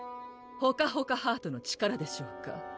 ほかほかハートの力でしょうか